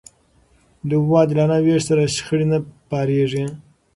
د اوبو عادلانه وېش سره، شخړې نه پارېږي.